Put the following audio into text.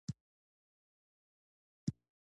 حېران شوم چې دومره لويه ابادي ده